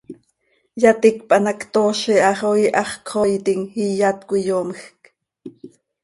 Yaticpan hac ctoozi ha xo iihax cöxoiitim, iyat cöiyoomjc.